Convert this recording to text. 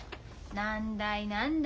何だい何だ